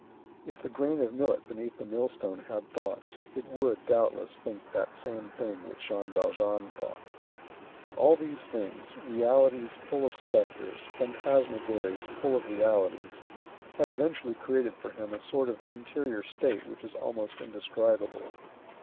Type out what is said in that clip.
If the grain of millet beneath the millstone had thoughts, it would, doubtless, think that same thing which Jean Valjean thought. All these things, realities full of spectres, phantasmagories full of realities, had eventually created for him a sort of interior state which is almost indescribable.